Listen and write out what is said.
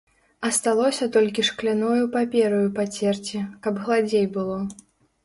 Асталося толькі шкляною папераю пацерці, каб гладзей было.